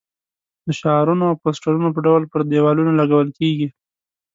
د شعارونو او پوسټرونو په ډول پر دېوالونو لګول کېږي.